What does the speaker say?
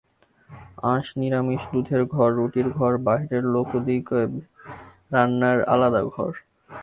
আঁশ নিরামিষ, দুধের ঘর, রুটির ঘর, বাহিরের লোকদিগেব রান্নার আলাদা ঘর।